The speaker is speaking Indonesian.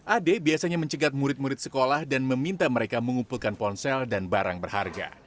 ade biasanya mencegat murid murid sekolah dan meminta mereka mengumpulkan ponsel dan barang berharga